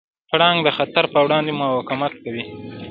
پړانګ د خطر پر وړاندې مقاومت کوي.